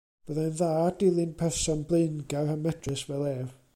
Byddai'n dda dilyn person blaengar a medrus fel ef.